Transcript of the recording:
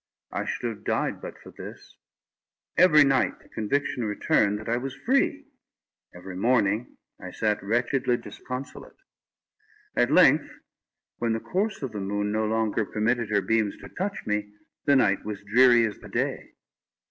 I should have died but for this. Every night the conviction returned, that I was free. Every morning I sat wretchedly disconsolate. At length, when the course of the moon no longer permitted her beams to touch me, the night was dreary as the day.